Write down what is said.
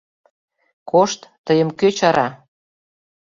Кошт, тыйым кӧ чара?